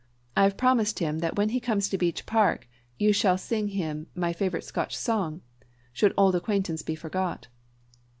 I have promised him that when he comes to Beech Park you shall sing him my favourite Scotch song, 'Should auld acquaintance be forgot?'